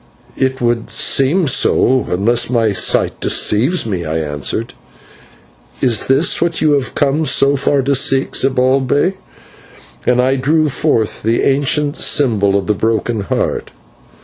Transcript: "It would seem so, unless my sight deceives me," I answered; "and is this what you have come so far to seek, Zibalbay?" and I drew forth the ancient symbol of the Broken Heart.